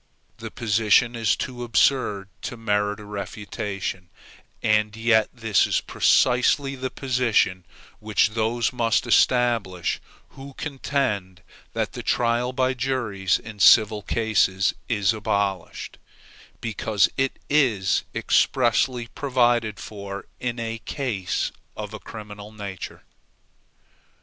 The position is too absurd to merit a refutation, and yet this is precisely the position which those must establish who contend that the trial by juries in civil cases is abolished, because it is expressly provided for in cases of a criminal nature.